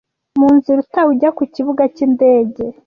mu nzira utaha ujya ku kibuga cy'indege